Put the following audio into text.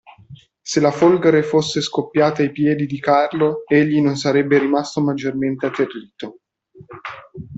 Se la folgore fosse scoppiata ai piedi di Carlo, egli non sarebbe rimasto maggiormente atterrito.